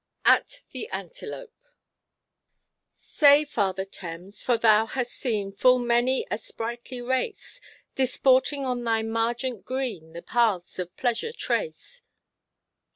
AT THE ANTELOPE "Say, Father Thames, for thou hast seen Full many a sprightly race, Disporting on thy margent green, The paths of pleasure trace."